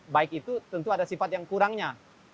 baik itu tentu ada sifat yang kurangnya